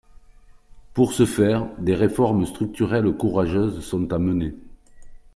Pour ce faire, des réformes structurelles courageuses sont à mener.